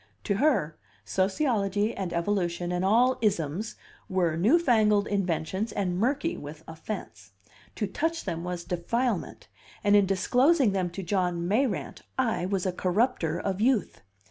To her, sociology and evolution and all "isms" were new fangled inventions and murky with offense; to touch them was defilement, and in disclosing them to John Mayrant I was a corrupter of youth.